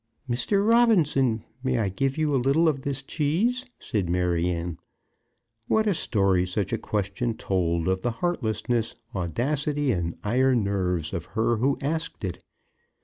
"Mr. Robinson, may I give you a little of this cheese?" said Maryanne. What a story such a question told of the heartlessness, audacity, and iron nerves of her who asked it!